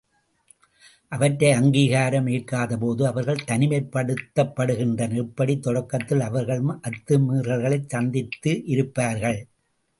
அவற்றை அங்கீகாரம் ஏற்காதபோது அவர்கள் தனிமைப்படுத்தப்படுகின்றனர், இப்படித் தொடக்கத்தில் அவர்களும் அத்துமீறல்களைச் சந்தித்து இருப்பார்கள்.